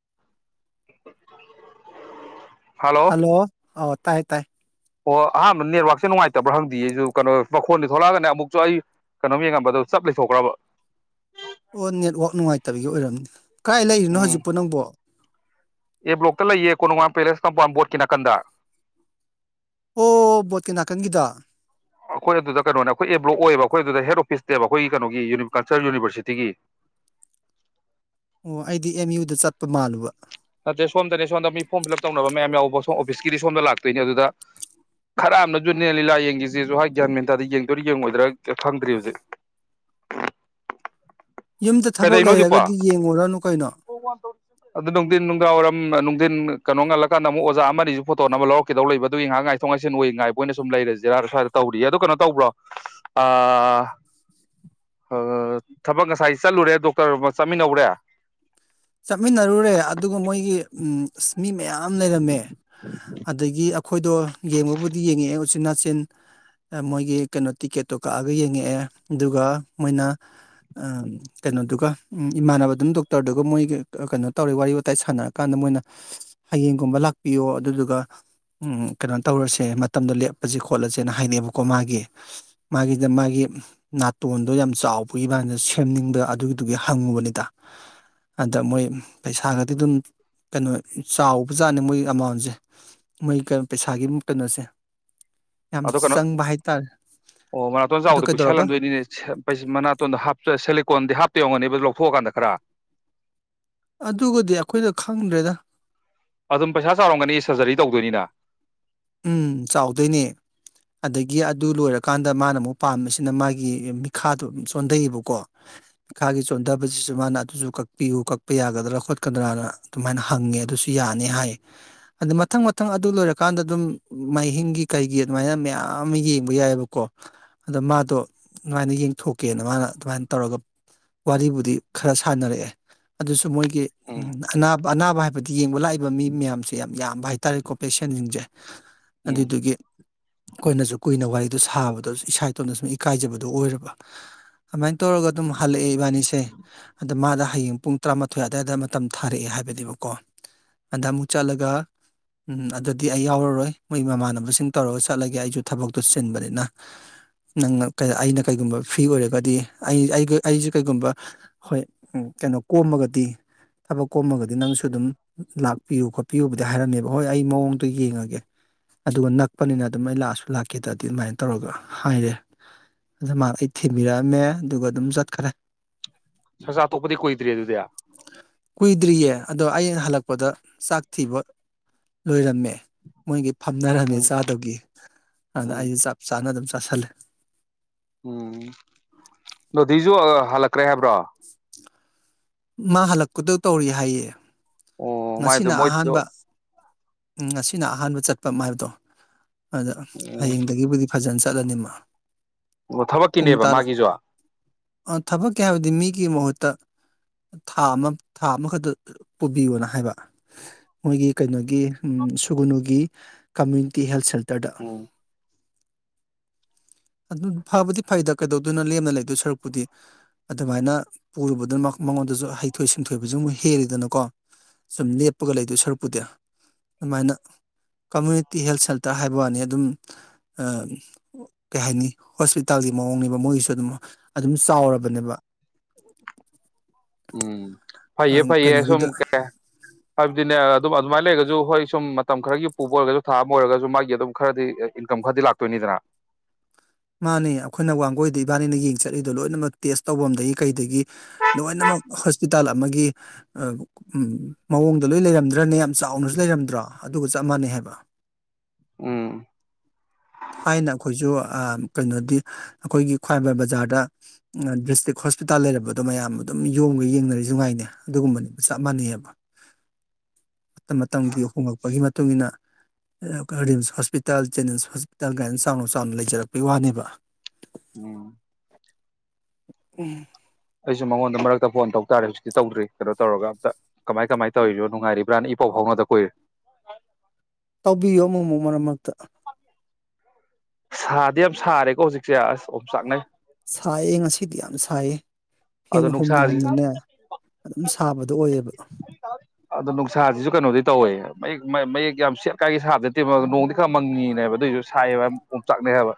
[unintelligible] hello ꯍ ꯇꯥꯏ ꯇꯥꯏ ꯑꯣ ꯑꯍꯥꯟꯕ ꯅꯦꯠꯋꯥꯛꯁꯦ ꯅꯨꯡꯉꯥꯏꯇꯕ꯭ꯔꯥ ꯍꯪꯗꯤꯦ ꯑꯩꯁꯨ ꯀꯩꯅꯣ ꯃꯈꯣꯟꯗꯤ ꯊꯣꯛꯂꯛꯑꯒꯅꯦ ꯑꯃꯨꯛꯁꯨ ꯑꯩ ꯀꯩꯅꯣꯝ ꯌꯦꯡꯉꯝꯕꯗꯣ ꯆꯞ ꯂꯩꯊꯣꯛꯈ꯭ꯔꯕ ꯑꯣ ꯅꯦꯠꯋꯥꯛ ꯅꯨꯡꯉꯥꯏꯇꯕꯒꯤ ꯑꯣꯏꯔꯝꯅꯤ ꯀꯥꯏ ꯂꯩꯔꯤꯅꯣ ꯎꯝ ꯍꯧꯖꯤꯛꯄꯣ ꯅꯪꯕꯣ ꯑꯦ ꯕ꯭ꯂꯣꯛꯇ ꯂꯩꯌꯦ ꯀꯣ ꯅꯅꯨꯡꯃꯝ ꯄꯦꯂꯦꯁ ꯀꯝꯄꯥꯎꯟ ꯕꯣꯔꯗꯀꯤ ꯅꯥꯀꯟꯗ ꯑꯣ ꯕꯣꯇꯥ ꯀꯤ ꯅꯥꯀꯟꯒꯤꯗꯣ ꯑꯩꯈꯣꯏ ꯑꯗꯨꯗ ꯀꯩꯅꯣꯅꯦ ꯑꯩꯈꯣꯏ ꯑꯦꯕ꯭ꯂꯣꯛ ꯑꯣꯏꯌꯦꯕ ꯑꯩꯈꯣꯏ ꯑꯗꯨꯗ ꯍꯦꯠ ꯑꯣꯐꯤꯁꯇꯦꯕ ꯑꯩꯈꯣꯏꯒꯤ ꯀꯩꯅꯣꯒꯤ ꯌꯨꯅꯤꯀꯜꯆꯔ ꯌꯨꯅꯤꯚꯔꯁꯤꯇꯤꯒꯤ ꯑꯣ ꯑꯩꯗꯤ ꯑꯦꯝ ꯌꯨꯗ ꯆꯠꯄ ꯃꯥꯜꯂꯨꯕ ꯅꯠꯇ꯭ꯔꯦ ꯁꯣꯝꯗꯅꯦ ꯁꯣꯝꯗ ꯃꯤ ꯐꯣꯔꯝ ꯐꯤꯜ ꯑꯞ ꯇꯧꯅꯕ ꯃꯌꯥꯝ ꯌꯥꯎꯕ ꯁꯣꯝ ꯑꯣꯐꯤꯁꯀꯤꯗꯤ ꯁꯣꯝꯗ ꯂꯥꯛꯇꯣꯏꯅꯦ ꯑꯗꯨꯗ ꯈꯔ ꯑꯃꯅꯁꯨꯅꯦ ꯂꯤꯂꯥ ꯌꯦꯡꯈꯤꯁꯤꯁꯨ ꯍꯥꯏ ꯒ꯭ꯌꯥꯟ ꯃꯦꯟꯇꯥꯗ ꯌꯦꯡꯗꯣꯏꯔꯥ ꯌꯦꯡꯉꯣꯏꯗ꯭ꯔꯥ ꯈꯪꯗ꯭ꯔꯤ ꯍꯧꯖꯤꯛ ꯌꯨꯝꯗ ꯊꯕꯛ ꯀꯗꯩꯅꯣ ꯍꯧꯖꯤꯛꯄꯣ ꯂꯩꯔꯒꯗꯤ ꯌꯦꯡꯉꯨꯔꯅꯨ ꯀꯩꯅꯣ ꯑꯗꯨ ꯅꯨꯡꯊꯤꯟ ꯅꯨꯡꯗꯥꯡ ꯋꯥꯏꯔꯝ ꯅꯨꯡꯊꯤꯟ ꯀꯩꯅꯣ ꯉꯜꯂꯀꯥꯟꯗ ꯑꯃꯨꯛ ꯑꯣꯖꯥ ꯑꯃ ꯑꯁꯤꯁꯨ ꯐꯣꯇꯣꯅꯕ ꯂꯧꯔꯛꯀꯗꯧ ꯂꯩꯕ ꯑꯗꯨꯒꯤ ꯉꯥꯏꯍꯥꯛ ꯉꯥꯏꯊꯣꯛ ꯉꯥꯏꯁꯤꯟ ꯑꯣꯏ ꯉꯥꯏꯕꯣꯏꯅ ꯁꯨꯝ ꯂꯩꯔꯁꯤꯔꯥ ꯁ꯭ꯏꯗ ꯇꯧꯔꯤꯌꯦ ꯑꯣ ꯀꯩꯅꯣ ꯇꯧꯕ꯭ꯔꯣ ꯊꯕꯛ ꯉꯁꯥꯏ ꯆꯠꯂꯨꯔꯦ ꯗꯣꯛꯇꯔ ꯑꯃ ꯆꯠꯃꯤꯟꯅꯧꯔꯦ ꯆꯠꯃꯤꯟꯅꯔꯨꯔꯦ ꯑꯗꯨꯒ ꯃꯣꯏꯒꯤ ꯑ ꯃꯤ ꯃꯌꯥꯝ ꯂꯩꯔꯝꯃꯦ ꯑꯗꯒꯤ ꯑꯩꯈꯣꯏꯗꯣ ꯌꯦꯡꯕꯕꯨꯗꯤ ꯌꯦꯡꯉꯛꯑꯦ ꯎꯆꯤꯟ ꯅꯥꯆꯤꯟ ꯃꯣꯏꯒꯤ ꯀꯩꯅꯣ ꯇꯤꯛꯀꯦꯠꯇꯣ ꯀꯛꯑꯒ ꯌꯦꯡꯉꯛꯑꯦ ꯑꯗꯨꯒ ꯃꯣꯏꯅ ꯀꯩꯅꯣꯗꯨꯒ ꯏꯃꯥꯟꯅꯕꯗꯨꯅ ꯗꯣꯛꯇꯔꯗꯨꯒ ꯃꯣꯏ ꯀꯩꯅꯣ ꯇꯧꯔꯦ ꯋꯥꯔꯤ ꯋꯥꯇꯥꯏ ꯁꯥꯟꯅꯔꯀꯥꯟꯗ ꯃꯣꯏꯅ ꯍꯌꯦꯡꯒꯨꯝꯕ ꯂꯥꯛꯄꯤꯌꯣ ꯑꯗꯨꯗꯨꯒ ꯀꯩꯅꯣ ꯇꯧꯔꯁꯦ ꯃꯇꯝꯗꯣ ꯂꯦꯞꯄꯁꯦ ꯈꯣꯠꯂꯁꯦꯅ ꯍꯥꯏꯅꯩꯑꯕꯀꯣ ꯃꯥꯒꯤ ꯃꯥꯒꯤꯗ ꯃꯥꯒꯤ ꯅꯥꯇꯣꯟꯗꯣ ꯌꯥꯝ ꯆꯥꯎꯕꯒꯤ ꯃꯥꯅ ꯁꯦꯝꯅꯤꯡꯕ ꯑꯗꯨꯒꯤꯗꯨꯒꯤ ꯍꯪꯉꯨꯕꯅꯤꯗ ꯑꯗ ꯃꯣꯏ ꯄꯩꯁꯥꯒꯗꯤ ꯑꯗꯨꯝ ꯀꯩꯅꯣ ꯆꯥꯎꯕꯖꯥꯠꯅꯦ ꯃꯣꯏ ꯑꯦꯃꯥꯎꯟꯁꯦ ꯃꯣꯏ ꯄꯩꯁꯥꯒꯤ ꯀꯩꯅꯣꯁꯦ ꯌꯥꯝ ꯑꯗꯣ ꯀꯩꯅꯣ ꯆꯪꯕ ꯍꯥꯏꯇꯥꯔꯦ ꯑꯣ ꯃꯅꯥꯇꯣꯟ ꯑꯗꯨ ꯆꯥꯎꯕꯗ ꯀꯩꯗꯧꯔꯕ ꯄꯤꯛꯁꯜꯍꯟꯗꯣꯏꯅꯤꯅꯦ ꯃꯅꯥꯇꯣꯟꯗ ꯍꯥꯞ ꯀꯣꯟꯗꯤ ꯍꯥꯞꯇ ꯌꯧꯉꯅꯤꯕꯗꯨ ꯂꯧꯊꯣꯛꯑꯀꯥꯟꯗ ꯈꯔ ꯑꯗꯨꯒꯗꯤ ꯑꯩꯈꯣꯏꯅ ꯈꯪꯗ꯭ꯔꯦꯗ ꯑꯗꯨꯝ ꯄꯩꯁꯥ ꯆꯥꯎꯔꯝꯒꯅꯤ ꯁꯔꯖꯔꯤ ꯇꯧꯗꯣꯏꯅꯤꯅ ꯎꯝ ꯆꯥꯎꯗꯣꯏꯅꯦ ꯑꯗꯒꯤ ꯑꯗꯨ ꯂꯣꯏꯔꯀꯥꯟꯗ ꯃꯥꯅ ꯑꯃꯨꯛ ꯄꯥꯝꯃꯤꯕꯁꯤꯅ ꯃꯥꯒꯤ ꯃꯤꯈꯥꯗꯣꯝ ꯆꯣꯟꯊꯩꯌꯦꯕꯀꯣ ꯃꯤꯈꯥꯒꯤ ꯆꯣꯟꯊꯕꯁꯤꯁꯨ ꯃꯥꯅ ꯑꯗꯨꯁꯨ ꯀꯛꯄꯤꯌꯨ ꯀꯛꯄ ꯌꯥꯒꯗ꯭ꯔꯥ ꯈꯣꯠꯀꯗ꯭ꯔꯥꯅ ꯑꯗꯨꯃꯥꯏꯅ ꯍꯪꯉꯦ ꯑꯗꯨꯁꯨ ꯌꯥꯅꯤ ꯍꯥꯏ ꯑꯗ ꯃꯊꯪ ꯃꯊꯪ ꯑꯗꯨ ꯂꯣꯏꯔꯀꯥꯟꯗ ꯑꯗꯨꯝ ꯃꯍꯥꯏꯍꯤꯡꯒꯤ ꯀꯩꯒꯤ ꯑꯗꯨꯃꯥꯏꯅ ꯃꯌꯥꯝ ꯑꯃ ꯌꯦꯡꯕ ꯌꯥꯏꯑꯕꯀꯣ ꯑꯗꯣ ꯃꯥꯗꯣ ꯑꯗꯨꯃꯥꯏꯅ ꯌꯦꯡꯊꯣꯛꯀꯦꯅ ꯃꯥꯅ ꯑꯗꯨꯃꯥꯏꯅ ꯇꯧꯔꯒ ꯋꯥꯔꯤꯕꯨꯗꯤ ꯈꯔ ꯁꯥꯟꯅꯔꯛꯑꯦ ꯑꯗꯨꯁꯨ ꯃꯣꯏꯒꯤ ꯎꯝ ꯑꯅꯥꯕ ꯑꯅꯥꯕ ꯍꯥꯏꯕꯗꯤ ꯌꯦꯡꯕ ꯂꯥꯛꯏꯕ ꯃꯤ ꯃꯌꯥꯝꯁꯦ ꯌꯥꯝ ꯌꯥꯝꯕ ꯍꯥꯏꯇꯥꯔꯦꯀꯣ ꯄꯦꯁꯟꯁꯤꯡꯁꯦ ꯎꯝ ꯑꯗꯨꯏꯗꯨꯒꯤ ꯑꯩꯈꯣꯏꯅꯁꯨ ꯀꯨꯏꯅ ꯋꯥꯔꯤꯗꯨꯣ ꯁꯥꯕꯗꯁꯨ ꯏꯁꯥ ꯏꯇꯣꯝꯇ ꯁꯨꯝ ꯏꯀꯥꯏꯖꯕꯗꯨꯣ ꯑꯣꯏꯔꯕ ꯑꯗꯨꯃꯥꯏꯅ ꯇꯧꯔꯒ ꯑꯗꯨꯝ ꯍꯜꯂꯛꯑꯦ ꯏꯕꯥꯅꯤꯁꯦ ꯑꯗ ꯃꯥꯗ ꯍꯌꯦꯡ ꯄꯨꯡ ꯇꯔꯥꯃꯥꯊꯣꯏ ꯑꯗꯨꯋꯥꯏꯗ ꯃꯇꯝ ꯊꯥꯔꯛꯑꯦ ꯍꯥꯏꯕꯅꯦꯕꯀꯣ ꯑꯗ ꯑꯃꯨꯛ ꯆꯠꯂꯒ ꯑꯗꯨꯗꯗꯤ ꯑꯩ ꯌꯥꯎꯔꯔꯣꯏ ꯃꯣꯏ ꯃꯃꯥꯟꯅꯕꯁꯤꯡ ꯇꯧꯔꯒ ꯆꯠꯂꯒꯦ ꯑꯩꯁꯨ ꯊꯕꯛꯇꯨ ꯆꯤꯟꯕꯅꯤꯅ ꯅꯪꯅ ꯑꯩꯅ ꯀꯩꯒꯨꯝꯕ ꯐ꯭ꯔꯤ ꯑꯣꯏꯔꯒꯗꯤ ꯑꯩ ꯑꯩꯁꯦ ꯀꯩꯒꯨꯝꯕ ꯍꯣꯏ ꯀꯩꯅꯣ ꯀꯣꯝꯃꯒꯗꯤ ꯊꯕꯛ ꯀꯣꯝꯃꯒꯗꯤ ꯅꯪꯁꯨ ꯑꯗꯨꯝ ꯂꯥꯛꯄꯤꯌꯨ ꯈꯣꯠꯄꯤꯌꯨꯕꯨꯗꯤ ꯍꯥꯏꯔꯝꯃꯦꯕ ꯍꯣꯏ ꯑꯩ ꯃꯑꯣꯡ ꯌꯦꯡꯉꯒꯦ ꯑꯗꯨꯒ ꯅꯛꯄꯅꯤꯅ ꯑꯗꯨꯝ ꯑꯩ ꯂꯥꯛꯑꯁꯨ ꯂꯥꯛꯀꯦꯗ꯭ꯔꯗꯤ ꯑꯗꯨꯃꯥꯏꯅ ꯇꯧꯔꯒ ꯍꯥꯏꯔꯦ ꯑꯗꯨ ꯃꯥ ꯑꯩ ꯊꯤꯟꯕꯤꯔꯛꯑꯝꯃꯦ ꯑꯗꯨꯒ ꯑꯗꯨꯝ ꯆꯠꯈꯔꯦ ꯁꯁ ꯇꯣꯄꯗꯤ ꯀꯣꯏ ꯇ꯭ꯔꯤꯦ ꯑꯗꯨ ꯇꯌꯥ ꯀꯨꯏꯗ꯭ꯔꯤꯌꯦ ꯑꯗꯣ ꯑꯩꯅ ꯍꯜꯂꯛꯄꯗ ꯆꯥꯛ ꯊꯤꯕ ꯂꯣꯏꯔꯝꯃꯦ ꯃꯣꯏꯒꯤ ꯐꯝꯅꯔꯝꯃꯤ ꯎꯝ ꯆꯥꯗꯨꯒꯤ ꯑꯗꯨꯅ ꯎꯝ ꯑꯩꯁꯨꯦ ꯆꯞ ꯆꯥꯅ ꯑꯗꯨꯝ ꯆ ꯆꯥꯁꯟꯂꯦ ꯎꯝ ꯊꯤꯖꯣ [inaudible] [unintelligible] ꯍꯜꯂꯛ꯭ꯔꯦ ꯍꯥꯏꯕ꯭ꯔꯣ ꯃꯥ ꯍꯜꯂꯛꯄꯗꯧ ꯇꯧꯔꯤ ꯍꯥꯏꯌꯦ ꯑꯣ ꯃꯥꯏ ꯑꯗꯨ ꯃꯣꯏꯣꯏꯗ ꯎꯝ ꯑꯁꯤꯅ ꯑꯍꯥꯟꯕ ꯆꯠꯄ ꯍꯥꯏꯕꯗꯣ ꯑꯗ ꯎꯝ ꯍꯌꯦꯡꯗꯒꯤꯕꯨꯗꯤ ꯐꯖꯟꯁꯤ ꯆꯂꯅꯤꯃ ꯑꯣ ꯊꯕꯛꯀꯤꯅꯦꯕ ꯃꯥꯒꯤꯁꯨ ꯊꯕꯛꯀꯤ ꯍꯥꯏꯕꯗꯤ ꯃꯤꯒꯤ ꯃꯍꯨꯠꯇ ꯊꯥ ꯑꯃ ꯊꯥ ꯑꯃꯈꯛꯇ ꯄꯨꯕꯤꯌꯣꯅ ꯍꯥꯏꯕ ꯃꯣꯏꯒꯤ ꯀꯩꯅꯣꯒꯤ ꯎꯝ ꯁꯨꯒꯨꯅꯨꯒꯤ ꯀꯝꯃ꯭ꯌꯨꯅꯤꯇꯤ ꯍꯦꯜ ꯁꯦꯟꯔ ꯇꯔꯗ ꯎꯝ ꯑꯗꯨ ꯐꯕꯨꯗꯤ ꯐꯩꯗ ꯀꯩꯗꯧꯗꯣꯏꯅꯣ ꯂꯦꯝꯅ ꯂꯩꯗꯣꯏ ꯁꯔꯨꯛꯄꯨꯗꯤ ꯑꯗꯨꯃꯥꯏꯅ ꯄꯨꯔꯨꯕꯗꯨꯅ ꯃꯉꯣꯟꯗꯁꯨ ꯍꯩꯊꯣꯏ ꯁꯤꯡꯊꯣꯏꯕꯁꯨ ꯑꯃꯨꯛ ꯍꯦꯜꯂꯤꯗꯅꯀꯣ ꯁꯨꯝ ꯂꯦꯞꯄꯒ ꯂꯩꯗꯣꯏ ꯁꯔꯨꯛꯄꯨꯗꯤ ꯑꯗꯨꯃꯥꯏꯅ ꯀꯝꯃꯨꯅꯤꯇꯤ ꯍꯦꯜꯊ ꯁꯦꯟꯇꯔ ꯍꯥꯏꯕ ꯋꯥꯅꯤ ꯑꯗꯨꯝ ꯀꯩ ꯍꯥꯏꯅꯤ ꯍꯣꯁꯄꯤꯇꯥꯜꯒꯤ ꯃꯑꯣꯡꯅꯦꯕ ꯃꯣꯏꯒꯤꯁꯨ ꯑꯗꯨꯝ ꯑꯗꯨꯝ ꯆꯥꯎꯔꯕꯅꯦꯕ ꯎꯝ ꯑ, ꯐꯩꯌꯦ ꯐꯩꯌꯦ ꯁꯨꯝꯝ ꯀꯩꯅꯣꯒꯤꯗ ꯍꯥꯏꯕꯗꯤꯅꯦ ꯑꯗꯨꯝ ꯑꯗꯨꯃꯥꯏꯅ ꯂꯩꯔꯒꯁꯨ ꯍꯣꯏ ꯁꯨꯝ ꯃꯇꯝ ꯈꯔꯒꯤ ꯄꯨꯕ ꯑꯣꯏꯔꯒꯁꯨ ꯊꯥ ꯑꯃ ꯑꯣꯏꯔꯒꯁꯨ ꯃꯥꯒꯤ ꯑꯗꯨꯝ ꯈꯔꯗꯤ ꯏꯟꯀꯝ ꯈꯔꯗꯤ ꯂꯥꯛꯇꯣꯏꯅꯤꯗꯅ ꯃꯥꯅꯦ ꯑꯩꯈꯣꯏꯅ ꯋꯥꯡꯒꯣꯏꯗ ꯏꯕꯥꯅꯤꯅ ꯌꯦꯡ ꯆꯠꯂꯤꯗꯣ ꯂꯣꯏꯅꯃꯛ ꯇꯦꯁ ꯇꯧꯐꯝꯗꯒꯤ ꯀꯩꯗꯒꯤ ꯂꯣꯏꯅꯃꯛ ꯍꯣꯁꯄꯤꯇꯥꯜ ꯑꯃꯒꯤ ꯃꯑꯣꯡꯗ ꯂꯣꯏ ꯂꯩꯔꯝꯗ꯭ꯔꯅꯦ ꯌꯥꯝ ꯆꯥꯎꯅꯁꯨ ꯂꯩꯔꯝꯗ꯭ꯔꯣ ꯑꯗꯨꯒ ꯆꯞ ꯃꯥꯟꯅꯩ ꯍꯥꯏꯕ ꯎꯝ ꯊꯥꯏꯅ ꯑꯩꯈꯣꯏꯁꯨ ꯀꯩꯅꯣꯗꯤ ꯑꯩꯈꯣꯏꯒꯤ ꯈ꯭ꯋꯥꯏꯔꯝꯕꯟ ꯕꯖꯥꯔꯗ ꯗꯤꯁꯇ꯭ꯔꯤꯛ ꯍꯣꯁꯄꯤꯇꯥꯜ ꯂꯩꯔꯝꯕꯗꯣ ꯃꯌꯥꯝ ꯑꯗꯨꯝ ꯌꯣꯝꯒꯩ ꯌꯦꯡꯅꯔꯤꯁꯨ ꯉꯥꯏꯅ ꯑꯗꯨꯒꯨꯝꯕꯅꯤꯕꯨ ꯆꯞ ꯃꯥꯟꯅꯩꯌꯦꯕ ꯃꯇꯝ ꯃꯇꯝꯒꯤ ꯍꯣꯡꯡꯂꯛꯄꯒꯤ ꯃꯇꯨꯡ ꯏ ꯃꯇꯨꯡꯏꯟꯅ ꯔꯤꯝꯁ ꯍꯣꯁꯄꯤꯇꯥꯜ ꯖꯦꯅꯤꯝꯁ ꯗꯜ ꯒꯥꯥꯏꯗꯦꯟ ꯆꯥꯎꯅ ꯆꯥꯎꯅ ꯂꯩꯖꯔꯛꯄꯩ ꯋꯥꯅꯦꯕ ꯎꯝ ꯎꯝ ꯑꯩꯁꯨ ꯃꯉꯣꯟꯗ ꯃꯔꯛꯇ ꯐꯣꯟ ꯇꯧ ꯇꯥꯔꯦ ꯍꯧꯖꯤꯛꯇꯤ ꯇꯧꯗ꯭ꯔꯤ ꯀꯩꯅꯣ ꯇꯧꯔꯒ ꯑꯝꯇ ꯀꯃꯥꯏ ꯀꯃꯥꯏꯅ ꯇꯧꯔꯤꯅꯣ ꯅꯨꯡꯉꯥꯏꯔꯤꯕ꯭ꯔꯥꯅ ꯏ ꯄꯥꯎ ꯐꯥꯎꯅꯗ ꯀꯨꯏꯔꯦ ꯇꯧꯕꯤꯌꯨ ꯑꯃꯨꯛ ꯑꯃꯨꯛ ꯃꯔꯛ ꯃꯔꯛꯇ ꯁꯥꯗꯤ ꯌꯥꯝ ꯁꯥꯔꯦꯀꯣ ꯍꯧꯖꯤꯛꯁꯦ ꯑꯁ ꯑꯣꯝ ꯆꯥꯛꯅꯩ ꯁꯥꯏꯌꯦ ꯉꯁꯤꯗꯤ ꯌꯥꯝ ꯁꯥꯏꯌꯦ ꯑꯗꯣ ꯐꯦꯟ ꯍꯨꯝꯅ ꯅꯨꯡꯁꯥꯁꯤ ꯍꯨꯝꯅꯅꯦ ꯑꯗꯨꯝ ꯁꯥꯕꯗꯣ ꯑꯣꯏꯌꯦꯕ ꯑꯗꯣ ꯅꯨꯡꯁꯥꯁꯤꯁꯨ ꯀꯩꯅꯣꯗꯤ ꯇꯧꯋꯦꯌꯦꯛ ꯃꯌꯦꯛ ꯌꯥꯝ ꯁꯦꯠ ꯀꯥꯏꯒꯤ ꯁꯥꯕ ꯅꯠꯇꯦꯕ ꯅꯣꯡꯗꯤ ꯈꯔ ꯃꯪꯉꯤꯅꯦꯕ ꯑꯗꯨꯏꯁꯨ ꯁꯥꯏꯌꯦꯦꯕ ꯃꯝꯆꯥꯛꯅꯦ ꯍꯥꯏꯕ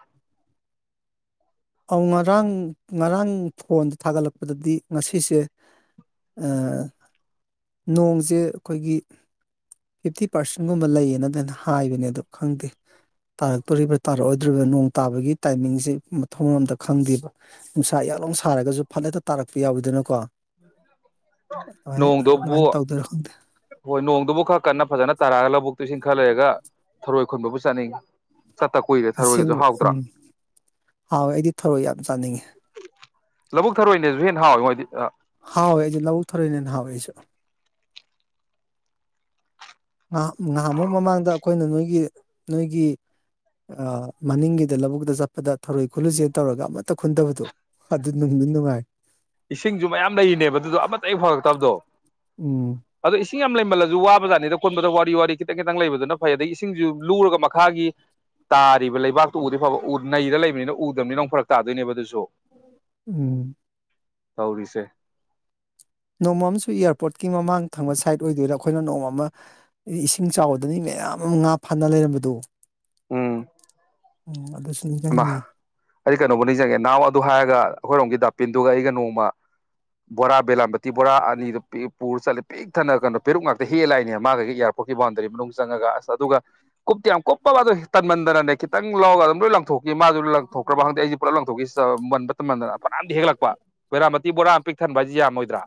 ꯑꯧ ꯉꯔꯥꯡ ꯉꯔꯥꯡ ꯐꯣꯟꯗ ꯊꯥꯒꯠꯂꯛꯄꯗꯗꯤ ꯉꯁꯤꯁꯦ ꯅꯣꯡꯁꯦ ꯑꯩꯈꯣꯏꯒꯤ ꯐꯤꯐꯇꯤ ꯄꯥꯔꯁꯦꯟꯒꯨꯝꯕ ꯂꯩꯌꯦꯅꯅꯦꯅ ꯍꯥꯏꯕꯅꯦ ꯑꯗꯣ ꯈꯪꯗꯦ ꯇꯥꯔꯛꯇꯣꯔꯤꯕ꯭ꯔꯥ ꯇꯥꯔꯛꯑꯣꯏꯗꯣꯔꯤꯕ꯭ꯔꯥ ꯅꯣꯡ ꯇꯥꯕꯒꯤ ꯇꯥꯏꯃꯤꯡꯁꯦ ꯃꯊꯣꯡ ꯃꯔꯝ ꯑꯝꯇ ꯈꯪꯗꯦꯕ ꯅꯨꯡꯁꯥ ꯌꯛ ꯂꯥꯎꯅ ꯁꯥꯔꯒꯁꯨ ꯐꯠ ꯍꯦꯛꯇ ꯇꯥꯔꯛꯄ ꯌꯥꯎꯋꯤꯗꯅꯀꯣ ꯑꯗꯨꯃꯥꯏ ꯅꯣꯡꯗꯨꯕꯨ ꯑꯗꯨꯃꯥꯏꯅ ꯇꯧꯗꯣꯏꯔꯣ ꯈꯪꯗꯦ ꯍꯣꯏ ꯅꯣꯡꯗꯨꯕꯨ ꯈꯔ ꯀꯟꯅ ꯐꯖꯅ ꯇꯥꯔꯛꯑꯒ ꯂꯧꯕꯨꯛꯇꯨ ꯏꯁꯤꯡ ꯈꯔ ꯂꯩꯔꯒ ꯊꯔꯣꯏ ꯈꯨꯟꯕꯕꯨ ꯆꯠꯅꯤꯡꯉꯤ ꯆꯠꯇ ꯀꯨꯏꯔꯦ ꯊꯔꯣꯏꯒꯁꯨ ꯑꯁꯦꯡꯕ ꯎꯝ ꯍꯥꯎꯇ꯭ꯔꯥ ꯍꯥꯎꯋꯦ ꯑꯩꯗꯤ ꯊꯧꯔꯣꯏ ꯌꯥꯝ ꯆꯥꯅꯤꯡꯉꯤ ꯂꯧꯕꯨꯛ ꯊꯔꯣꯏꯅꯁꯨ ꯍꯦꯟꯅ ꯍꯥꯎꯋꯤꯉꯣ ꯑꯩꯗꯤ ꯍꯥꯎꯋꯂ ꯑꯩꯁꯨ ꯂꯕꯨꯛ ꯊꯔꯣꯏꯅ ꯍꯦꯟꯅ ꯍꯥꯎꯋꯦ ꯑꯩꯁꯨ ꯉꯍ ꯉꯍꯥꯟꯃꯨꯛ ꯃꯃꯥꯡꯗ ꯑꯩꯈꯣꯏꯅ ꯅꯣꯏꯒꯤ ꯅꯣꯏꯒꯤ ꯃꯅꯤꯡꯒꯤꯗ ꯂꯧꯕꯨꯛꯇ ꯆꯠꯄꯗ ꯊꯔꯣꯏ ꯈꯨꯜꯂꯨꯖꯦꯅ ꯇꯧꯔꯒ ꯑꯃꯠꯇ ꯈꯨꯟꯗꯕꯗꯣ ꯑꯗꯨ ꯅꯨꯡꯗꯤ ꯅꯨꯡꯉꯥꯏ ꯏꯁꯤꯡꯁꯨ ꯃꯌꯥꯝ ꯂꯩꯔꯤꯅꯦꯕ ꯑꯗꯨꯗꯣ ꯑꯃꯠꯇ ꯍꯦꯛ ꯐꯪꯉꯛꯇꯕꯗꯣ ꯎꯝ ꯑꯗꯣ ꯏꯁꯤꯡ ꯌꯥꯝ ꯂꯩꯃꯜꯂꯁꯨ ꯋꯥꯕꯖꯥꯠꯅꯤꯗ ꯈꯣꯟꯕꯗ ꯋꯥꯔꯤ ꯋꯥꯔꯤ ꯈꯤꯇꯪ ꯈꯤꯇꯪ ꯂꯩꯕꯗꯨꯅ ꯐꯩ ꯑꯗꯒꯤ ꯏꯁꯤꯡꯁꯨ ꯂꯨꯔꯒ ꯃꯈꯥꯒꯤ ꯇꯥꯔꯤꯕ ꯂꯩꯕꯥꯛꯇꯨ ꯎꯗꯤ ꯐꯕ ꯎ ꯅꯩꯔ ꯂꯩꯕꯅꯤꯅ ꯎꯗꯕꯅꯤꯅꯨ ꯐꯔꯛ ꯇꯥꯗꯣꯏꯅꯦꯕ ꯑꯗꯨꯁꯨ ꯎꯝ ꯇꯧꯔꯤꯁꯦ ꯅꯣꯡꯃꯝꯁꯨ ꯏꯌꯥꯔꯄꯣꯔꯠꯀꯤ ꯃꯃꯥꯡ ꯊꯪꯕ ꯁꯥꯏꯠ ꯑꯣꯏꯗꯣꯏꯔ ꯑꯩꯈꯣꯏꯅ ꯅꯣꯡꯃ ꯏꯁꯤꯡ ꯆꯥꯎꯕꯗꯅꯤ ꯃꯌꯥꯝ ꯑꯃ ꯉꯥ ꯐꯥꯅ ꯂꯩꯔꯝꯕꯗꯣ ꯎꯝ ꯎꯝ ꯑꯗꯨꯁꯨ ꯑꯃ ꯅꯤꯡꯁꯤꯡꯉꯤ ꯑꯩ ꯀꯩꯅꯣꯕꯨ ꯅꯤꯡꯁꯤꯡꯉꯦ ꯅꯍꯥꯟꯋꯥ ꯑꯗꯨ ꯍꯥꯏꯔꯒ ꯑꯩꯈꯣꯏꯔꯣꯝꯒꯤꯗ ꯄꯤꯟꯗꯨꯒ ꯑꯩꯒ ꯅꯣꯡꯃ ꯕꯣꯔꯥ ꯕꯦꯂꯥꯕꯇꯤ ꯕꯣꯔꯥ ꯑꯅꯤꯗꯨ ꯄꯨꯔ ꯆꯠꯂꯦ ꯄꯤꯛ ꯊꯟꯅ ꯀꯩꯅꯣ ꯄꯦꯔꯨꯛ ꯉꯥꯛꯇ ꯍꯦꯜꯂꯥꯛꯏꯅꯦ ꯃꯥꯗꯒꯤ ꯏꯌꯥꯔꯄꯣꯔꯠꯀꯤ ꯕꯥꯎꯟꯗꯔꯤ ꯃꯅꯨꯡ ꯆꯪꯉꯒ ꯑꯁ ꯑꯗꯨꯒ ꯀꯨꯞꯇꯤ ꯌꯥꯝ ꯀꯨꯞꯄꯕ ꯑꯗꯨ ꯇꯟꯃꯟꯗꯅꯅꯦ ꯈꯤꯇꯪ ꯂꯧꯔꯒ ꯑꯗꯨꯝ ꯂꯣꯏ ꯊꯣꯛꯈꯤ ꯃꯥꯁꯨ ꯂꯪꯊꯣꯛꯈ꯭ꯔꯕ ꯈꯪꯗꯦ ꯑꯩꯁꯤ ꯄꯨꯂꯞ ꯂꯪꯊꯣꯛꯈꯤ ꯇꯟꯃꯟꯗꯅ ꯐꯅꯌꯥꯝꯗꯤ ꯍꯦꯛꯂꯛꯄ ꯕꯦꯔꯥꯃꯇꯤ ꯕꯣꯔꯥ ꯑꯃ ꯄꯤꯛ ꯊꯟꯕ ꯍꯥꯏꯁꯤ ꯌꯥꯝꯃꯣꯏꯗ꯭ꯔꯥ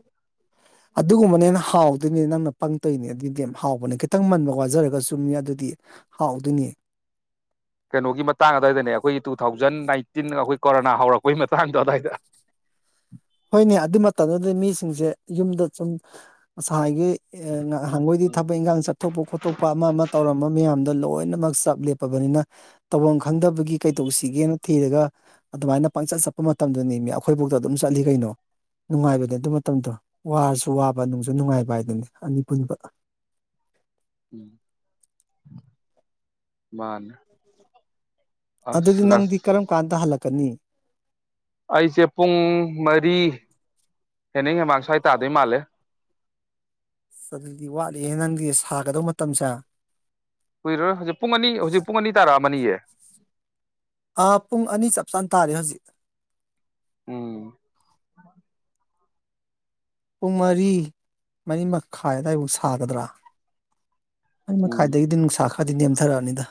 ꯑꯗꯨꯒꯨꯝꯕꯅꯦꯅ ꯍꯥꯎꯗꯣꯏꯅꯦ ꯅꯪꯅ ꯄꯪꯇꯣꯏꯅꯦ ꯑꯗꯨꯗꯤ ꯌꯥꯝ ꯍꯥꯎꯕꯅꯦ ꯈꯤꯇꯪ ꯃꯟꯕ ꯋꯥꯖꯔꯒꯖꯨꯅꯦ ꯑꯗꯨꯗꯤ ꯍꯥꯎꯗꯣꯏꯅꯤ ꯀꯩꯅꯣꯒꯤ ꯃꯇꯥꯡ ꯑꯗꯨꯋꯥꯏꯗꯅꯦ ꯑꯩꯈꯣꯏꯒꯤ ꯇꯨ ꯊꯥꯎꯖꯟ ꯅꯥꯏꯟꯇꯤꯟ ꯑꯩꯈꯣꯏ ꯀꯣꯔꯣꯅꯥ ꯍꯧꯔꯛꯄꯩ ꯃꯇꯥꯡꯗꯣ ꯑꯗꯨꯋꯥꯏꯗ ꯍꯣꯏꯅꯦ ꯑꯗꯨ ꯃꯇꯝꯗꯨꯗꯤ ꯃꯤꯁꯤꯡꯁꯦ ꯌꯨꯝꯗ ꯁꯨꯝ ꯉꯁꯥꯏꯒꯤ ꯅꯍꯥꯟꯒꯣꯏꯗꯤ ꯎꯝ ꯊꯕꯛ ꯏꯪꯈꯥꯡ ꯆꯠꯊꯣꯛꯄ ꯈꯣꯠꯇꯣꯛꯄ ꯑꯃ ꯑꯃ ꯇꯧꯔꯝꯕ ꯃꯌꯥꯝꯗꯨꯅ ꯂꯣꯏꯅꯃꯛ ꯆꯞ ꯂꯦꯞꯄꯕꯅꯤꯅ ꯇꯧꯐꯝ ꯈꯪꯗꯕꯒꯤ ꯀꯩꯗꯧꯁꯤꯒꯦꯅ ꯊꯤꯔꯒ ꯑꯗꯨꯃꯥꯏꯅ ꯄꯪꯆꯠ ꯆꯠꯄ ꯃꯇꯝꯗꯅꯤ ꯑꯩꯈꯣꯏꯕꯧꯗ ꯑꯗꯨꯝ ꯆꯠꯂꯤ ꯀꯩꯅꯣ ꯅꯨꯡꯉꯥꯏꯕꯅꯦ ꯑꯗꯨ ꯃꯇꯝꯗꯣ ꯋꯥꯔꯁꯨ ꯋꯥꯕ ꯅꯨꯡꯁꯨ ꯅꯨꯡꯉꯥꯏꯕ ꯍꯥꯏꯗꯨꯅꯤ ꯑꯅꯤ ꯄꯨꯟꯕ ꯃꯥꯅꯦ ꯑꯁ ꯑꯗꯨꯗꯤ ꯉꯁ ꯅꯪꯗꯤ ꯀꯔꯝ ꯀꯥꯟꯗ ꯍꯜꯂꯛꯀꯦ ꯑꯅꯤ ꯑꯩꯁꯦ ꯄꯨꯡ ꯃꯔꯤ ꯍꯦꯅꯤꯡ ꯍꯦꯃꯥꯡ ꯁ꯭ꯋꯥꯏ ꯇꯥꯗꯣꯏ ꯃꯥꯜꯂꯦ ꯑꯗꯨꯗꯤ ꯋꯥꯠꯂꯤꯍꯦ ꯅꯪꯗꯤ ꯁꯥꯒꯗꯧꯕ ꯃꯇꯝꯁꯦ ꯀꯨꯏꯔꯣꯏ ꯍꯧꯖꯤꯛ ꯄꯨꯡ ꯑꯅꯤ ꯍꯧꯖꯤꯛ ꯄꯨꯡ ꯑꯅꯤ ꯇꯥꯔꯥ ꯑꯃꯅꯤꯌꯦ ꯑꯥ ꯄꯨꯡ ꯑꯅꯤ ꯆꯞ ꯆꯥꯅ ꯇꯥꯔꯦ ꯍꯧꯖꯤꯛ ꯎꯝ ꯄꯨꯡ ꯃꯔꯤ ꯃꯔꯤ ꯃꯈꯥꯏꯋꯥꯏꯐꯨꯛ ꯁꯥꯒꯗ꯭ꯔꯥ ꯑꯩ ꯎꯝ ꯃꯈꯥꯏꯗꯒꯤꯗꯤ ꯅꯨꯡꯁꯥꯈ꯭ꯔ ꯍꯥꯏꯗꯤ ꯅꯦꯝꯊꯔꯛꯑꯅꯤꯗ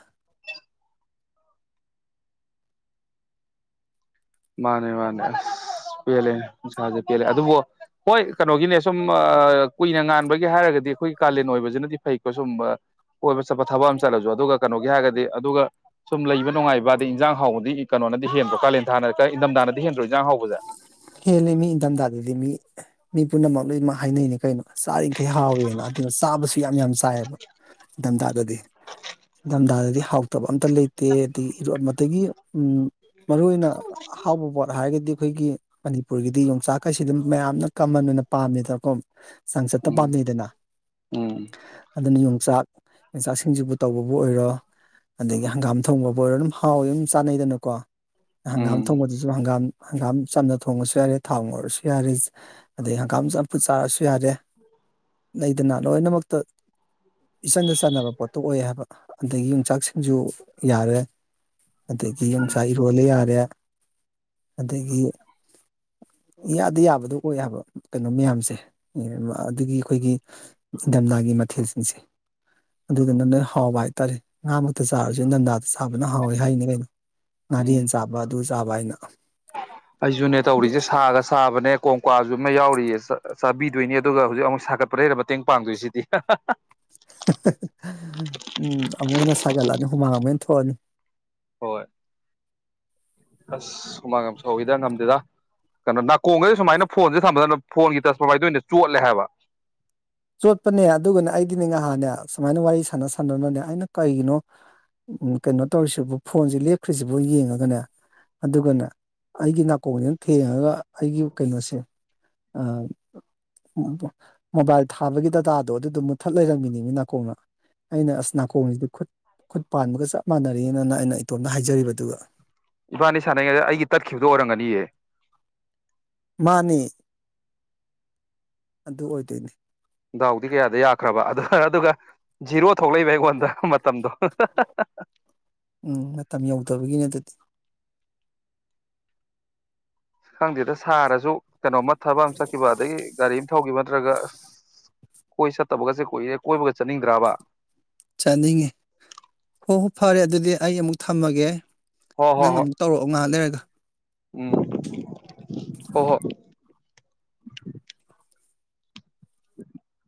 ꯃꯥꯅꯦ ꯃꯥꯅꯦ ꯑꯁ ꯄꯦꯜꯂꯦ ꯅꯨꯡꯁꯥꯁꯦ ꯄꯦꯜꯂꯦ ꯑꯗꯨꯕꯨ ꯍꯣꯏ ꯀꯩꯅꯣꯒꯤꯅꯦ ꯁꯨꯝ ꯀꯨꯏꯅ ꯉꯥꯟꯕꯒꯤ ꯍꯥꯏꯔꯒꯗꯤ ꯑꯩꯈꯣꯏꯒꯤ ꯀꯥꯂꯦꯟ ꯑꯣꯏꯕꯁꯤꯅꯗꯤ ꯐꯩꯀꯣ ꯁꯨꯝ ꯀꯣꯏꯕ ꯆꯠꯄ ꯊꯕꯛ ꯑꯃ ꯆꯠꯂꯁꯨ ꯑꯗꯨꯒ ꯀꯩꯅꯣꯒꯤ ꯍꯥꯏꯔꯒꯗꯤ ꯑꯗꯨꯒ ꯁꯨꯝ ꯂꯩꯕ ꯅꯨꯡꯉꯥꯏꯕ ꯑꯗꯩ ꯏꯟꯖꯥꯡ ꯍꯥꯎꯕꯗꯤ ꯀꯩꯅꯣꯅꯗꯤ ꯍꯦꯟꯕ꯭ꯔꯣ ꯀꯥꯂꯦꯟ ꯍꯅ ꯏꯝꯊꯗꯥꯅꯗꯤ ꯍꯦꯟꯗ꯭ꯔꯣ ꯏꯟꯖꯥꯡ ꯍꯧꯕꯁꯦ ꯍꯦꯂ ꯃꯤ ꯏꯗꯝꯗꯥꯗꯗꯤ ꯃꯤ ꯃꯤ ꯄꯨꯝꯅꯃꯛ ꯂꯣꯏꯅꯃꯛ ꯍꯥꯏꯅꯩꯅꯦ ꯀꯩꯅꯣ ꯆꯥꯔꯤꯡꯈꯩ ꯍꯥꯎꯋꯦꯅ ꯑꯗꯨ ꯆꯥꯕꯁꯨ ꯌꯥꯝ ꯌꯥꯝ ꯆꯥꯏꯌꯦꯕ ꯏꯊꯝꯊꯥꯗꯗꯤ ꯏꯊꯝꯊꯥꯗꯗꯤ ꯍꯥꯎꯇꯕ ꯑꯝꯇ ꯂꯩꯇꯦ ꯑꯗꯒꯤ ꯏꯔꯣ ꯑꯃꯒꯤ ꯎꯝ ꯃꯔꯨꯏ ꯑꯣꯏꯅ ꯍꯥꯎꯕ ꯄꯣꯠ ꯍꯥꯏꯔꯒꯗꯤ ꯑꯩꯈꯣꯏꯒꯤ ꯃꯅꯤꯄꯨꯔꯒꯤꯗꯤ ꯌꯣꯡꯆꯥꯛꯈꯩꯁꯤ ꯑꯗꯨꯝ ꯃꯌꯥꯝꯅ ꯀꯃꯟ ꯑꯣꯏꯅ ꯄꯥꯝꯃꯦꯗꯅꯀꯣ ꯆꯥꯡꯆꯠꯇ ꯎꯝ ꯄꯥꯝꯅꯩꯗꯅ ꯎꯝ ꯑꯗꯨ ꯌ ꯆꯥꯛ ꯌꯣꯡꯆꯥꯛꯁꯤꯡꯁꯤꯕꯨ ꯇꯧꯕꯕꯨ ꯑꯣꯏꯔꯣ ꯑꯗꯒꯤ ꯍꯪꯒꯥꯝ ꯊꯣꯡꯕꯕꯨ ꯑꯣꯏꯔꯣ ꯑꯗꯨꯝ ꯍꯥꯎꯋꯦ ꯑꯗꯨꯝ ꯆꯥꯅꯩꯗꯅꯀꯣ ꯍꯪꯒꯥꯝ ꯎꯝ ꯊꯣꯡꯕꯗꯁꯨ ꯍꯪꯒꯥꯝ ꯍꯪꯒꯥꯝ ꯆꯝꯅ ꯊꯣꯡꯉꯁꯨ ꯌꯥꯔꯦ ꯊꯥꯎ ꯑꯣꯏꯔꯁꯨ ꯌꯥꯔꯦ ꯑꯗꯩ ꯍꯪꯒꯥꯝ ꯆꯝꯐꯨꯠ ꯆꯥꯔꯁꯨ ꯌꯥꯔꯦ ꯂꯩꯗꯅ ꯂꯣꯏꯅꯃꯛꯇ ꯏꯆꯟꯗ ꯆꯥꯟꯅꯕ ꯄꯣꯠꯇꯣ ꯑꯣꯏ ꯍꯥꯏꯕ ꯑꯗꯒꯤ ꯌꯣꯡꯆꯥꯛꯁꯤꯡꯁꯨ ꯌꯥꯔꯦ ꯎꯝ ꯑꯪꯁꯍꯤ ꯍꯣꯂꯦ ꯌꯥ ꯑꯗꯒꯤ ꯌꯥꯗ ꯌꯥꯕꯗꯣ ꯑꯣꯏꯌꯦꯕ ꯀꯩꯅꯣ ꯃꯌꯥꯝꯁꯦ ꯑꯗꯨꯒꯤ ꯑꯩꯈꯣꯏꯒꯤ ꯏꯟꯊꯝꯊꯥꯒꯤ ꯃꯊꯦꯜꯁꯤꯡꯁꯦ ꯑꯗꯨꯗ ꯅ ꯂꯣꯏꯅ ꯍꯥꯎꯕ ꯍꯥꯏꯇꯥꯔꯦ ꯉꯥꯃꯛꯇ ꯆꯥꯔꯁꯨ ꯏꯟꯊꯝꯊ ꯆꯥꯕꯅ ꯍꯥꯎꯋꯦ ꯍꯥꯏꯅ ꯀꯩꯅꯣ ꯉꯥꯔꯦꯟ ꯎꯝ ꯆꯥꯕ ꯑꯗꯨ ꯆꯥꯕ ꯍꯥꯏꯅ ꯑꯩꯁꯨꯅꯦ ꯇꯧꯔꯤꯁꯦ ꯁꯥꯒ ꯁꯥꯕꯅꯦ ꯀꯣꯝꯀꯥꯁꯨ ꯑꯃ ꯌꯥꯎꯔꯤꯌꯦ ꯆꯥꯕꯤꯗꯣꯏꯅꯤ ꯑꯗꯨꯒ ꯍꯧꯖꯤꯛ ꯑꯃꯨꯛ ꯁꯥꯒꯠꯄ ꯂꯩꯔ ꯃꯇꯦꯡ ꯄꯥꯡꯗꯣꯏꯁꯤꯗꯤ ꯎꯝ ꯑꯃꯛ ꯍꯟꯅ ꯁꯥꯒꯠꯂꯅꯤ ꯍꯨꯃꯥꯡ ꯊꯅꯤ ꯍꯣꯏꯣꯏ ꯑꯁ ꯁꯨꯃꯥꯡ ꯁꯧꯋꯗ ꯉꯝꯗꯦꯗ ꯀꯩꯅꯣ ꯅꯥꯀꯣꯡꯒꯩꯗꯤ ꯁꯨꯃꯥꯏꯅ ꯐꯣꯟꯁꯦ ꯊꯝꯕꯗꯅ ꯐꯣꯟꯒꯤ ꯇꯁꯄꯚꯏꯗ ꯑꯣꯏꯅ ꯆꯣꯠꯂꯦ ꯍꯥꯏꯕ ꯆꯣꯠꯄꯅꯦ ꯑꯗꯨꯒꯅꯦ ꯑꯩꯒꯤꯅꯦ ꯉꯍꯥꯟꯅꯦ ꯁꯨꯃꯥꯏꯅ ꯋꯥꯔꯤ ꯁꯥꯟꯅ ꯁꯥꯟꯅꯅꯕꯅꯦ ꯑꯩꯅ ꯀꯩꯒꯤꯅꯣ ꯀꯩꯅꯣ ꯇꯧꯔꯤꯁꯤꯕꯨ ꯐꯣꯟꯁꯤꯦ ꯂꯦꯞꯈ꯭ꯔꯤꯁꯤꯕꯨ ꯌꯦꯡꯉꯒꯅꯦ ꯑꯗꯨꯒꯅꯦ ꯑꯩꯒꯤ ꯅꯥꯀꯣꯡꯁꯤꯅ ꯊꯦꯡꯉꯒ ꯑꯩꯒꯤ ꯀꯩꯅꯣꯁꯦ ꯃꯣꯕꯥꯏꯜ ꯊꯥꯕꯒꯤ ꯗꯇꯥꯗꯣ ꯑꯗꯨꯗꯣ ꯃꯨꯠꯊꯠ ꯂꯩꯔꯝꯃꯤꯅꯤꯃꯤ ꯅꯥꯀꯣꯡꯅ ꯑꯩꯅ ꯑꯁ ꯅꯥꯀꯣꯡꯁꯤꯗꯤ ꯈꯨꯠ ꯈꯨꯠ ꯄꯥꯟꯕꯒ ꯆꯞ ꯃꯥꯟꯅꯔꯤ ꯑꯗꯨꯅ ꯑꯩꯅ ꯏꯇꯣꯝꯇ ꯍꯥꯏꯖꯔꯤꯕꯗꯨ ꯏꯕꯥꯅꯤ ꯁꯥꯟꯅꯉꯩꯗ ꯑꯩꯒꯤ ꯇꯠꯈꯤꯕꯗꯣ ꯑꯣꯏꯔꯝꯒꯅꯤꯍ ꯃꯥꯅꯦ ꯑꯗꯨ ꯑꯣꯏꯗꯣꯏꯅꯦ ꯗꯥꯎꯗꯤ ꯀꯌꯥꯗ ꯌꯥꯈ꯭ꯔꯕ ꯑꯗꯨ ꯑꯗꯨꯒ ꯖꯤꯔꯣ ꯊꯣꯛꯂꯛꯏꯕ ꯑꯩꯉꯣꯟꯗ ꯃꯇꯝꯗꯣ ꯎꯝ ꯃꯇꯝ ꯌꯧꯗꯕꯒꯤꯅꯦ ꯑꯗꯨꯗꯤ ꯈꯪꯗꯦꯗ ꯁꯥꯔꯁꯨ ꯀꯩꯅꯣꯝꯃ ꯊꯕꯛ ꯑꯃ ꯆꯠꯈꯤꯕ ꯑꯗꯒꯤ ꯒꯥꯔꯤ ꯑꯃ ꯊꯧꯈꯤꯕ ꯅꯠꯇ꯭ꯔꯒ ꯑꯁ ꯀꯣꯏ ꯆꯠꯇꯕꯒꯁꯦ ꯀꯣꯏꯏꯔꯦ ꯀꯣꯏꯕꯒ ꯆꯠꯅꯤꯡꯗ꯭ꯔꯕ ꯆꯥꯅꯤꯡꯉꯤ ꯍꯣ ꯍꯣ ꯐꯔꯦ ꯑꯗꯨꯗꯤ ꯑꯩ ꯑꯃꯨꯛ ꯊꯝꯃꯒꯦ ꯍꯣꯏ ꯍꯣꯏ ꯅꯪ ꯍꯣꯏ ꯑꯃꯨꯛ ꯇꯧꯔꯛꯑꯣ ꯉꯥꯏꯍꯥꯛ ꯂꯩꯔꯒ ꯎꯝ ꯍ ꯍꯣ ꯎ